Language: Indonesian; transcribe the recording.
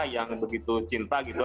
yang begitu cinta gitu